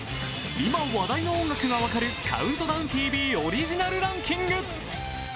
今話題の音楽が分かる「ＣＯＵＮＴＤＯＷＮＴＶ」オリジナルランキング。